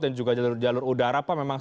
dan juga jalur udara pak memang